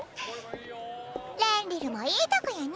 レンリルも良いとこやね。